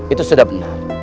itu sudah benar